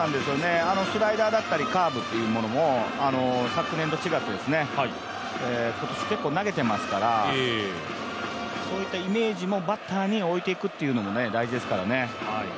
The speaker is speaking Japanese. スライダーだったり、カーブというものも、昨年と違って今年、結構投げてますからそういったイメージもバッターに置いていくっていうのも大事ですからね。